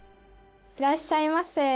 いらっしゃいませ。